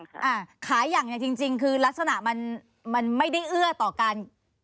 คือขายังจริงคือลักษณะมันไม่ได้เอื้อต่อการ